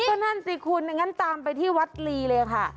ก็นั่นสิคุณอย่างนั้นตามไปที่วัดลีเลยค่ะ